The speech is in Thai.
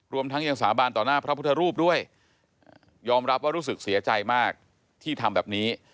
รวมทั้งยังสาบานต่อหน้าพระพุทธรูปด้วยยอมรับว่ารู้สึกเสียใจมากที่ทำแบบนี้